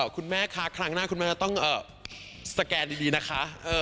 คุณแม่คะครั้งหน้าคุณแม่ต้องสแกนดีนะคะ